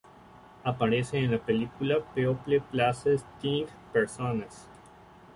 Aparece en la película "People Places Things Personas".